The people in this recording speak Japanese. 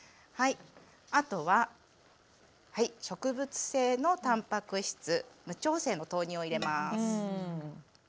あとは植物性のたんぱく質無調整の豆乳を入れます。